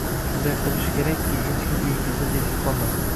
va shunday qilish kerakki, hech kim uyingizda zerikib qolmasin.